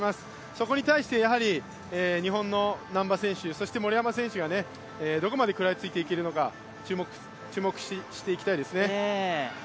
そこに対して日本の難波選手、森山選手がどこまで食らいついていけるのか、注目していきたいですね。